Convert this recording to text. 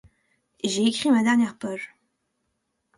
J'ai écrit ma dernière page.